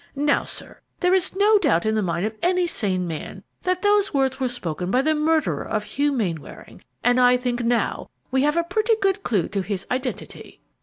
Now, sir, there is no doubt in the mind of any sane man that those words were spoken by the murderer of Hugh Mainwaring, and I think now we have a pretty good clue to his identity."